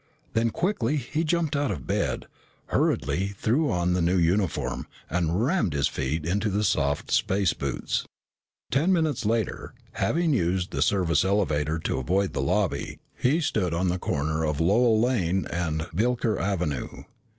Then quickly he jumped out of bed, hurriedly threw on the new uniform, and rammed his feet into the soft space boots. Ten minutes later, having used the service elevator to avoid the lobby, he stood on the corner of Lowell Lane and Builker Avenue.